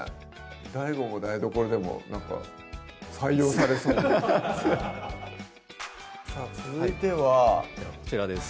ＤＡＩＧＯも台所でもなんか採用ささぁ続いてはこちらです